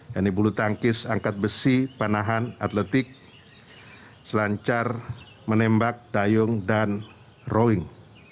yaitu bulu tangkis angkat besi panahan atletik selancar menembak dayung dan rowing